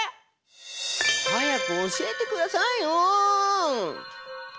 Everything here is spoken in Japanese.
早く教えてくださいよ！